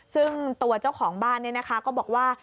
ซึ่งตัวเจ้าของบ้านเนี่ยนะคะก็บอกว่า